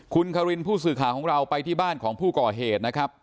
คุณคารินผู้สื่อข่าวของเราไปที่บ้านของผู้ก่อเหตุนะครับ